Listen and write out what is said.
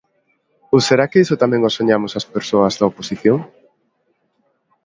¿Ou será que iso tamén o soñamos as persoas da oposición?